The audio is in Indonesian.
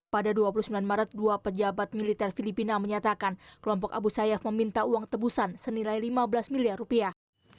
pada dua puluh sembilan maret dua pejabat militer filipina menyatakan kelompok abu sayyaf meminta uang tebusan senilai lima belas miliar rupiah